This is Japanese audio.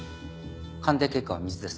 鑑定結果は水です。